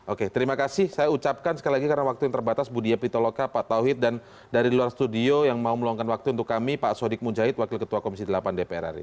oke terima kasih saya ucapkan sekali lagi karena waktu yang terbatas budia pitoloka pak tauhid dan dari luar studio yang mau meluangkan waktu untuk kami pak sodik mujahid wakil ketua komisi delapan dpr ri